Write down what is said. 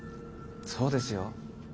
そうですよ。